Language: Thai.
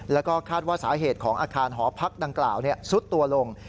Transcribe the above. แล้วก็คาดว่าสาเหตุของอาคารหอพักดังกล่าวซุดตัวลง